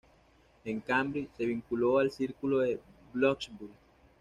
En Cambridge se vinculó al Círculo de Bloomsbury.